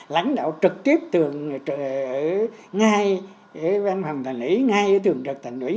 lãnh đạo trực tiếp ngay ở văn phòng thành ủy ngay ở thường trực thành ủy